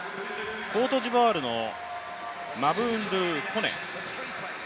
コートジボワールのマブーンドゥ・コネ。